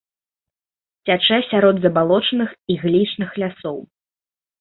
Цячэ сярод забалочаных іглічных лясоў.